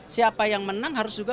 siapa yang menang harus juga